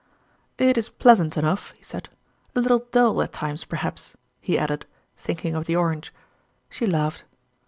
" It is pleasant enough," he said. " A little dull at times, perhaps," he added, thinking of the orange. She laughed.